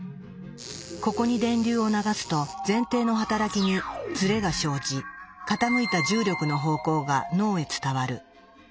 ここに電流を流すと前庭の働きにズレが生じ傾いた重力の方向が脳へ伝わる。